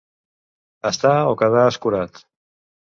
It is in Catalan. Estar o quedar escurat.